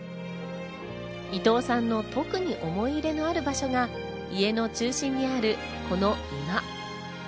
伊藤さんの特に思い入れのある場所が家の中心にあるこの居間。